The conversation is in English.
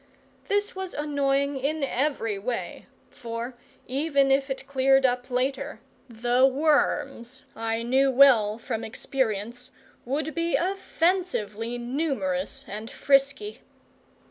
This was annoying in every way, for, even if it cleared up later, the worms I knew well from experience would be offensively numerous and frisky.